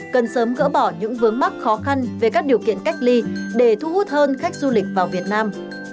cần sớm gỡ bỏ những vướng mắc khó khăn về các điều kiện cách ly để thu hút hơn khách du lịch vào việt nam